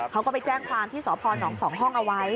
เขาก็ไปแจ้งความที่สพน๒ห้องเอาไว้